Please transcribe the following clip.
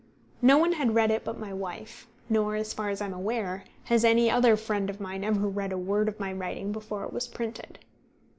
No one had read it but my wife; nor, as far as I am aware, has any other friend of mine ever read a word of my writing before it was printed.